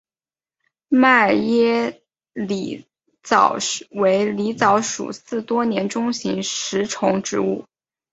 迈耶狸藻为狸藻属似多年中型食虫植物。